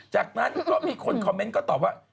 จากนั้นก็มีคนคอมเมนต์ก็ตอบว่า